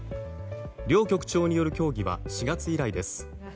両局長による協議は４月以来です。